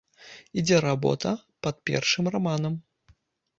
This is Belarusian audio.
Ідзе работа пад першым раманам.